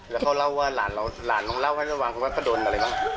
แล้วเขาเล่าว่าหลานเราหลานน้องเล่าให้เราฟังคุณว่าเขาโดนอะไรบ้าง